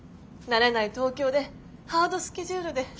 慣れない東京でハードスケジュールで。